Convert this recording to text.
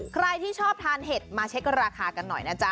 ใครที่ชอบทานเห็ดมาเช็คราคากันหน่อยนะจ๊